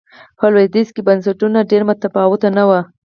په لوېدیځ کې بنسټونه ډېر متفاوت نه و.